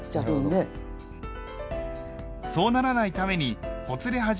そうならないためにほつれ始めを処理します。